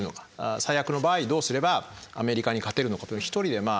最悪の場合どうすればアメリカに勝てるのかと一人でまあ